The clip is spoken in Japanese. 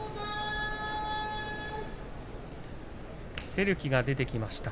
照喜が出てきました。